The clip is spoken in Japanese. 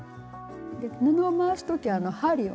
布を回す時針をね